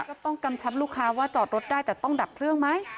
กำชับลูกค้าว่าจอดรถได้แต่ต้องดับเครื่องไหม